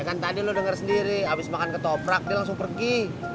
kan tadi lo dengar sendiri habis makan ketoprak dia langsung pergi